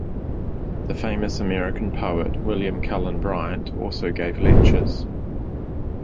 The famous American poet William Cullen Bryant also gave lectures.